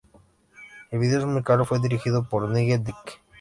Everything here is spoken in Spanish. El vídeo musical fue dirigido por Nigel Dick.